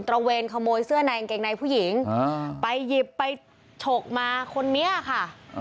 ระเวนขโมยเสื้อในกางเกงในผู้หญิงไปหยิบไปฉกมาคนนี้ค่ะ